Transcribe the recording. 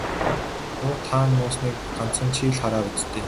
Уут хаана нуусныг ганцхан чи л хараа биз дээ.